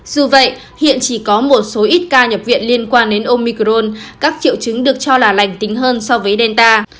dù vậy hiện chỉ có một số ít ca nhập viện liên quan đến omicron các triệu chứng được cho là lành tính hơn so với delta